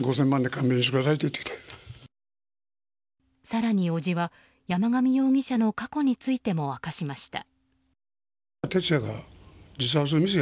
更に伯父は、山上容疑者の過去についても明かしました。